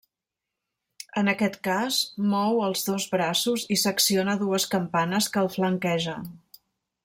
En aquest cas, mou els dos braços i s'acciona dues campanes que el flanquegen.